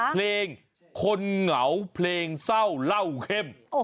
เพลงคนเหงาเพลงเศร้าเล่าเข้ม